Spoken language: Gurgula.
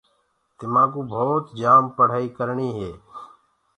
تمآڪوُ ڀوت جآم پڙهآئي ڪرڻي هي۔